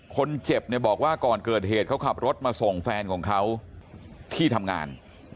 คนเจ็บเนี่ยบอกว่าก่อนเกิดเหตุเขาขับรถมาส่งแฟนของเขาที่ทำงาน